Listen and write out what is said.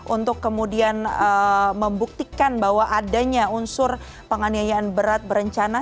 untuk kemudian membuktikan bahwa adanya unsur penganiayaan berat berencana